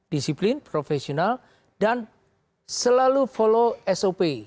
disiplin profesional dan selalu follow sop